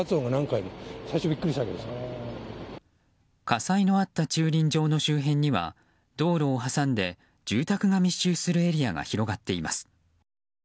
火災のあった駐輪場の周辺には道路を挟んで住宅が密集するエリアが広がっています。